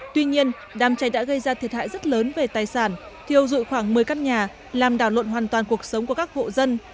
tuy nhiên đam cháy đã gây ra thiệt hại rất lớn về tài sản thiêu rụi khoảng một mươi các nhà làm đảo luận hoàn toàn cuộc sống của các hộ dân